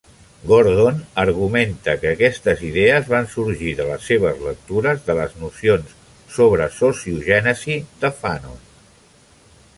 Gordon argumenta que aquestes idees van sorgir de les seves lectures de les nocions sobre sociogènesi de Fanon.